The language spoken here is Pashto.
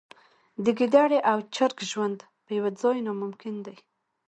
د ګیدړې او چرګ ژوند په یوه ځای ناممکن دی.